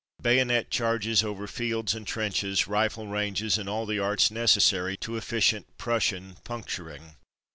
Bayonet charges over fields and trenches, rifle ranges, and all the arts necessary to efficient Prus sian puncturing.